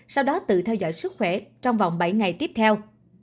sau đó tự theo dõi sức khỏe trong vòng bảy ngày tiếp theo